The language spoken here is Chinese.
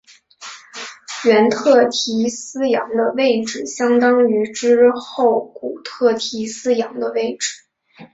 原特提斯洋的位置相当于之后古特提斯洋的位置。